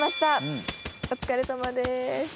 お疲れさまです。